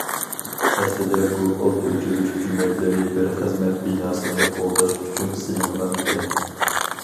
ئەسلىدە بۇ ئوت ئۆچۈرۈش جۈمەكلىرى بىر خىزمەت بىناسىنى قوغداش ئۈچۈن سېلىنغان ئىكەن.